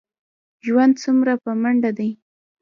ژوند څومره په منډه دی.